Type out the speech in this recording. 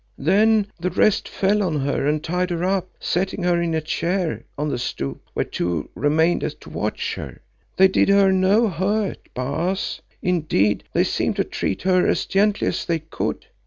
"Then the rest fell on her and tied her up, setting her in a chair on the stoep where two remained to watch her. They did her no hurt, Baas; indeed, they seemed to treat her as gently as they could.